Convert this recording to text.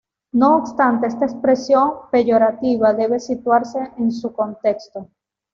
No obstante, esta expresión peyorativa debe situarse en su contexto.